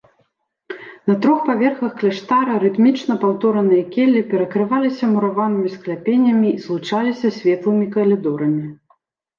На трох паверхах кляштара рытмічна паўтораныя келлі перакрываліся мураванымі скляпеннямі і злучаліся светлымі калідорамі.